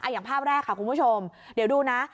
อย่างภาพแรกค่ะคุณผู้ชมเดี๋ยวดูนะ